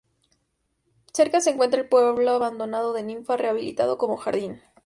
Cerca se encuentra el pueblo abandonado de Ninfa, rehabilitado como jardín.